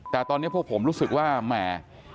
แต่ตอนนี้พวกผมรู้สึกว่าแหม